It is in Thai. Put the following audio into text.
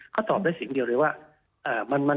เขาตอบได้เสียงเดียวเลยว่า